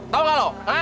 tau gak lu